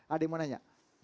ada yang mau nanya